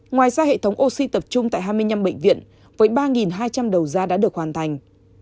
ngoài ra hệ thống oxy tập trung tại hai mươi năm bệnh viện với ba hai trăm linh đầu da đã được hoàn thành